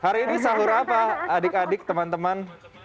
hari ini sahur apa adik adik teman teman